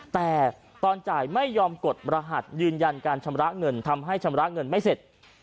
แต่ตอนจ่ายไม่ยอมกดรหัสยืนยันการชำระเงินทำให้ชำระเงินไม่เสร็จ